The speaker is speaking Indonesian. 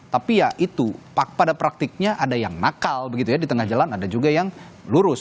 tapi ya itu pada praktiknya ada yang nakal begitu ya di tengah jalan ada juga yang lurus